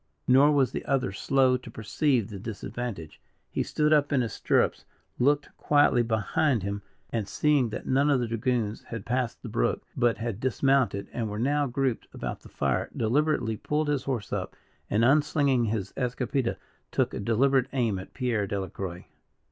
Nor was the other slow to perceive the disadvantage. He stood up in his stirrups, looked quietly behind him, and seeing that none of the dragoons had passed the brook, but had dismounted and were now grouped about the fire, deliberately pulled his horse up, and, unslinging his escopeta, took a deliberate aim at Pierre Delacroix.